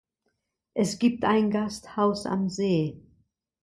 Es gibt ein Gasthaus am See.